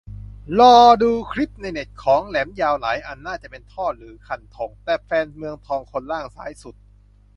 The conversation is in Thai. รอดูคลิปในเน็ต ของแหลมยาวหลายอันน่าจะเป็นท่อหรือคันธง แต่แฟนเมืองทองคนล่างซ้ายสุด